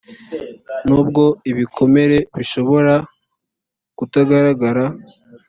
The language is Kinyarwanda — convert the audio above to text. nubwo ibikomere bishobora kutagaragara